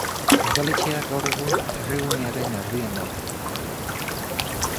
Udaletxea gaur egun herrigunearen erdian dago.